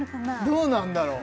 どうなんだろ？